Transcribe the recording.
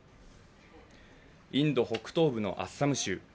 インド北東部のアッサム州。